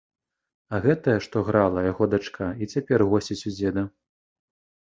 А гэтая, што грала, яго дачка, і цяпер госціць у дзеда.